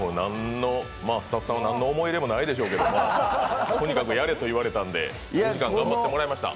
スタッフさんは何の思い入れもないんでしょうけどとにかくやれと言われたので、５時間頑張ってもらいました。